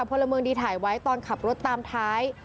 พลเมืองดีถ่ายไว้ตอนขับรถตามท้าย